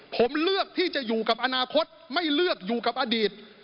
ผมเลือกที่จะอยู่กับอนาคตไม่เลือกอยู่กับอดีต